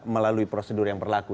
melalui prosedur yang berlaku